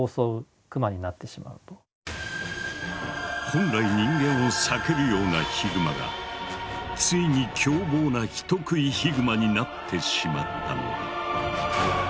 本来人間を避けるようなヒグマがついに凶暴な人食いヒグマになってしまったのだ。